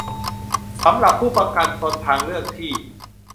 สำหรับผู้ประกันตนทางเลือกที่